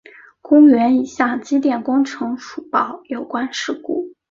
公园已向机电工程署通报有关事故。